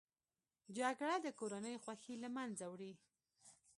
جګړه د کورنۍ خوښۍ له منځه وړي